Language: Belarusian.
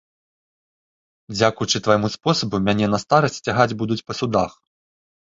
Дзякуючы твайму спосабу мяне на старасці цягаць будуць па судах.